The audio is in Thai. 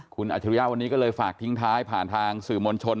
คุณอัจฉริยะวันนี้ก็เลยฝากทิ้งท้ายผ่านทางสื่อมวลชน